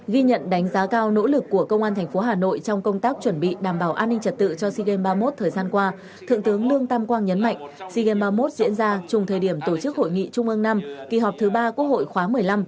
ghi nhận đánh giá cao nỗ lực của công an thành phố hà nội trong công tác chuẩn bị đảm bảo an ninh trật tự cho sea games ba mươi một thời gian qua thượng tướng lương tam quang nhấn mạnh sea games ba mươi một diễn ra chung thời điểm tổ chức hội nghị trung ương năm kỳ họp thứ ba quốc hội khóa một mươi năm